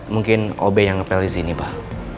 mungkin ob yang ngepel disini pak